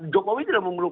jokowi tidak memeluk